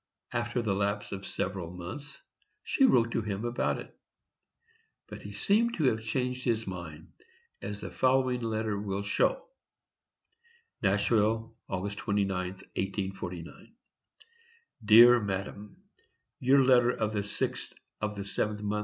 After the lapse of several months, she wrote to him about it; but he seemed to have changed his mind, as the following letter will show: "Nashville, August 29, 1849. "DEAR MADAM: Your letter of the 6th of the 7th mo.